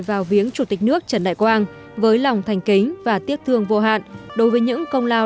vào viếng chủ tịch nước trần đại quang với lòng thành kính và tiếc thương vô hạn đối với những công lao